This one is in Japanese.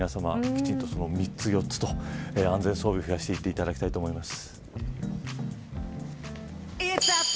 きちんと３つ、４つと安全装備を増やしていただきたいと思います。